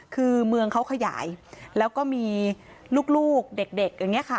คือเมืองเขาขยายแล้วก็มีลูกเด็กอย่างนี้ค่ะ